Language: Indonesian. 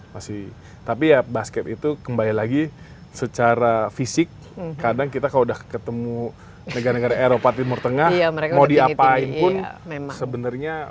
masih tapi ya basket itu kembali lagi secara fisik kadang kita kalau udah ketemu negara negara eropa timur tengah mau diapain pun sebenarnya